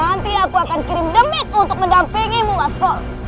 nanti aku akan kirim demik untuk mendampingimu waskol